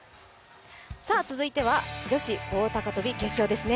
続いては女子棒高跳決勝ですね。